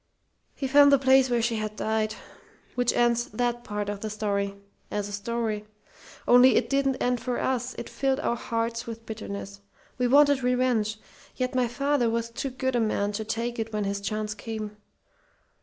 He found the place where she had died.... Which ends that part of the story, as a story. "Only it didn't end it for us. It filled our hearts with bitterness. We wanted revenge. Yet my father was too good a man to take it when his chance came.